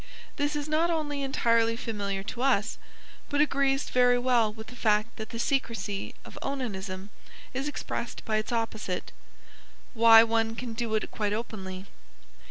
This is not only entirely familiar to us, but agrees very well with the fact that the secrecy of onanism is expressed by its opposite ("Why one can do it quite openly").